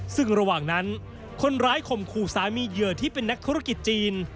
ซึ่งระหว่างนั้นคนร้ายข่มขู่สามีเหยื่อที่เป็นนักธุรกิจจีน